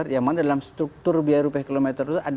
yang mana dalam struktur biaya rupiah kilometer itu